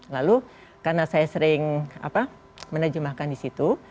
lalu karena saya sering menerjemahkan di situ